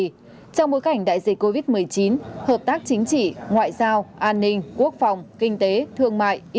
trong bối cảnh đại dịch covid một mươi chín hợp tác chính trị ngoại giao an ninh quốc phòng kinh tế thương mại y